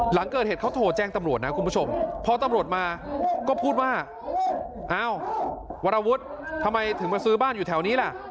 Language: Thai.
หลังเกิดเหตุเขาโทรแจ้งตำรวจนะคุณผู้ชมพอตำรวจมาก็พูดว่าอ้าววรวุฒิทำไมถึงมาซื้อบ้านอยู่แถวนี้ล่ะ